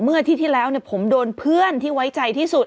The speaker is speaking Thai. เมื่ออาทิตย์ที่แล้วผมโดนเพื่อนที่ไว้ใจที่สุด